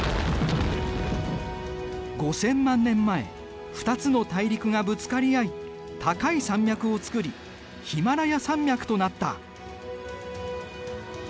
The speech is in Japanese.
５０００万年前２つの大陸がぶつかり合い高い山脈を作りヒマラヤ山脈となった。